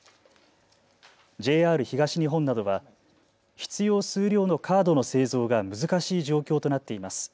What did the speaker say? ＪＲ東日本などは必要数量のカードの製造が難しい状況となっています。